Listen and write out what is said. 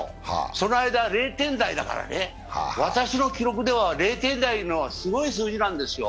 その間０点台だからね、私の記録では０点台のすごい数字なんですよ。